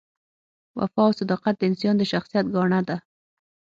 وفا او صداقت د انسان د شخصیت ګاڼه ده.